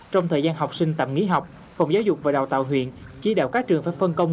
trong thời gian học sinh tạm nghỉ học phòng giáo dục và đào tạo huyện chỉ đạo các trường phải phân công